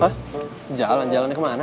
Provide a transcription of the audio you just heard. hah jalan jalannya kemana